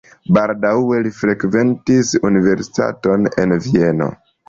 Baldaŭe li frekventis universitaton en Vieno.